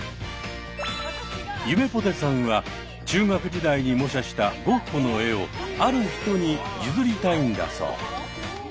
ゆめぽてさんは中学時代に模写したゴッホの絵をある人に譲りたいんだそう。